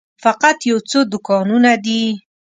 فقط یو څو دوکانونه دي.